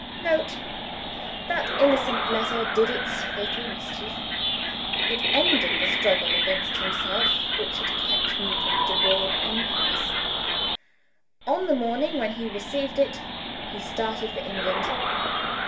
[Note. That innocent letter did its fatal mischief. It ended the struggle against himself which had kept Nugent Dubourg in Paris. On the morning when he received it, he started for England.